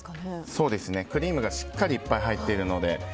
そうですね、クリームがしっかりいっぱい入ってるので。